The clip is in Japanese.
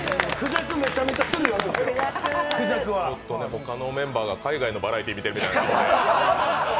ほかのメンバーが海外のバラエティー見てるみたいな。